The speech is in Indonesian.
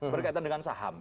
berkaitan dengan saham